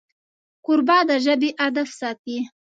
کوربه د ژبې ادب ساتي.